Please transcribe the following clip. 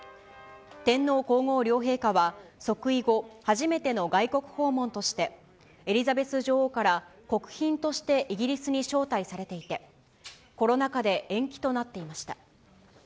天皇皇后両陛下は、即位後、初めての外国訪問として、エリザベス女王から国賓としてイギリスに招待されていて、コロナ禍で延期となっていました。